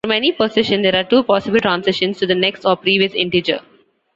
From any position there are two possible transitions, to the next or previous integer.